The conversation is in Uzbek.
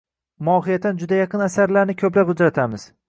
mohiyatan juda yaqin asarlarni ko‘plab uchratamiz.